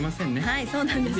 はいそうなんです